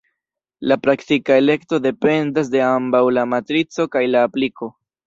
La praktika elekto dependas de ambaŭ la matrico kaj la apliko.